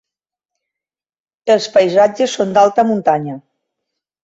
Els paisatges són d'alta muntanya.